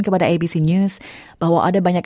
kepada abc news bahwa ada banyak